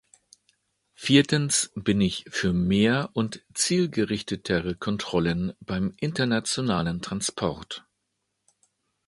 Viertens bin ich für mehr und zielgerichtetere Kontrollen beim internationalen Transport.